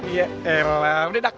iya elah udah dak